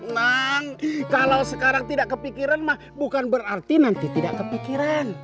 nang kalau sekarang tidak kepikiran mah bukan berarti nanti tidak kepikiran